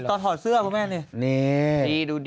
ตอนถอดเสื้อคุณแม่นี่